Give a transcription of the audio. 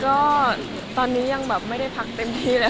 ก็ตอนนี้ยังแบบไม่ได้พักเต็มที่เลย